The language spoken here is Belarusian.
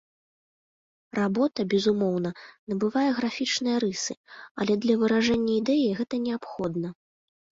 Работа, безумоўна, набывае графічныя рысы, але для выражэння ідэі гэта неабходна.